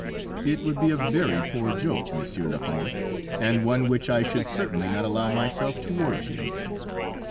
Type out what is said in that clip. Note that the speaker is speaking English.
"It would be a very poor joke, Monsieur le Comte, and one which I should certainly not allow myself towards you!"